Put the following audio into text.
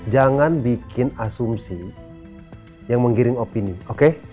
jangan bikin asumsi yang menggiring opini oke